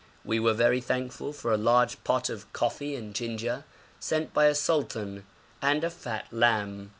We were very thankful for a large pot of coffee and ginger, sent by a sultan, and a fat lamb.